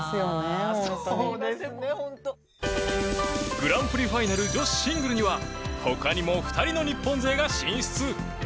グランプリファイナル女子シングルには他にも２人の日本勢が進出